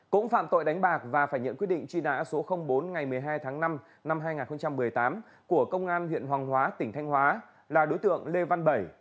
cũng phạm tội đánh bạc và phải nhận quyết định truy nã số bốn ngày một mươi hai tháng năm năm hai nghìn một mươi tám của công an huyện hoàng hóa tỉnh thanh hóa là đối tượng lê văn bảy